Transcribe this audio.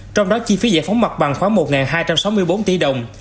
trong đó chi phí giải phóng mặt bằng khoảng một hai trăm sáu mươi bốn tỷ đồng